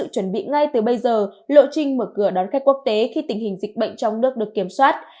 tỉnh mở cửa đón khách quốc tế khi tình hình dịch bệnh trong nước được kiểm soát